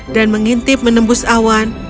dan mengintip menembus awan